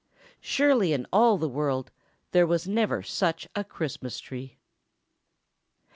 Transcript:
Surely in all the world there was never such another Christmas Tree!